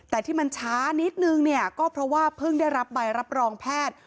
แต่ที่มันช้านิดนึงเนี่ยก็เพราะว่าเพิ่งได้รับใบรับรองแพทย์